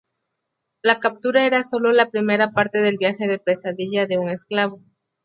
La captura era solo la primera parte del viaje de pesadilla de un esclavo.